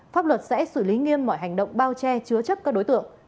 pháp luật sẽ xử lý nghiêm mọi hành động bao che chứa chấp các đối tượng